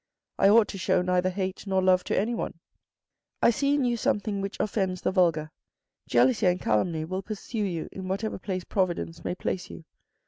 I ought to show neither hate nor love to anyone. I see in you something which offends the vulgar. Jealousy and calumny will pursue you in whatever place Providence may place you.